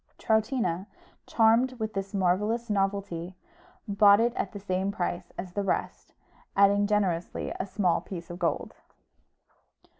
Troutina, charmed with this marvellous novelty, bought it at the same price as the rest, adding generously a small piece of gold.